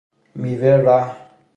میوه رحم